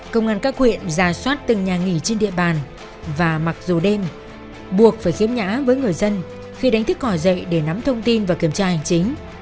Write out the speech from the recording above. công an các quyện ra soát từng nhà nghỉ trên địa bàn và mặc dù đêm buộc phải khiếm nhã với người dân khi đánh thức cỏ dậy để nắm thông tin và kiểm tra hành chính